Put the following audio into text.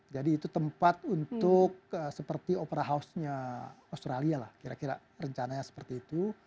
jadi itu tempat untuk seperti opera house nya australia lah kira kira rencananya seperti itu